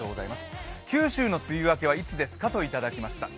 九州の梅雨明けはいつですか？といただきました。